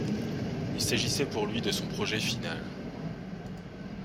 Il s'agissait pour lui de son projet final.